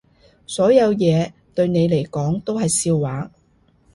所有嘢對你嚟講都係笑話